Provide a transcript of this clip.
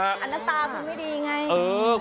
อันตาคุณไม่ดีไง